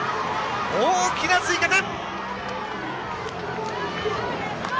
大きな追加点。